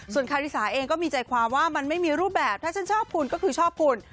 ส่วนคาริสาเองก็มีใจความว่ามันไม่มีรูปแบบถ้าฉันชอบคุณก็คือชอบคุณ